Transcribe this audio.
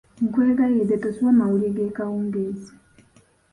Nkwegayiridde tosubwa mawulire g'ekawungeezi.